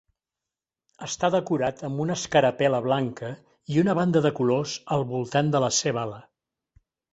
Està decorat amb una escarapel·la blanca i una banda de colors al voltant de la seva ala.